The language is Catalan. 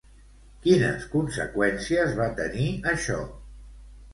Quines conseqüències va tenir això?